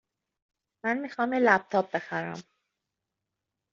من می خواهم یک لپ تاپ بخرم.